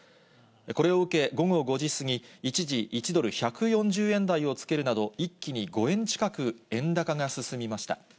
これを受け、午後５時過ぎ、一時１ドル１４０円台をつけるなど、一気に５円近く円高が進みました。